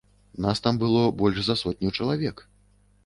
Нас там было больш за сотню чалавек.